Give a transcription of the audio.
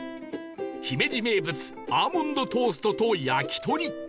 姫路名物アーモンドトーストと焼き鳥